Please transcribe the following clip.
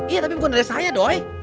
iya tapi bukan dari saya doy